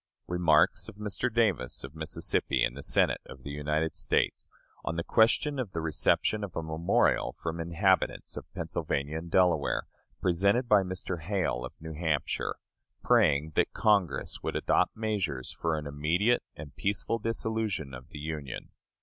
Remarks of Mr. Davis, of Mississippi, in the Senate of the United States, on the question of the reception of a memorial from inhabitants of Pennsylvania and Delaware, presented by Mr. Hale, of New Hampshire, praying that Congress would adopt measures for an immediate and peaceful dissolution of the Union.